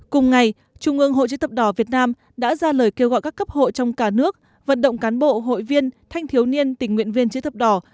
cùng ngày trung ương hội chữ thập đỏ việt nam đã ra lời kêu gọi các cấp hội trong cả nước vận động cán bộ hội viên thanh thiếu niên tình nguyện viên chữ thập đỏ